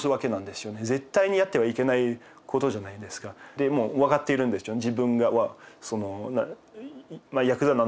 でもう分かっているんですよね